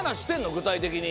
具体的に。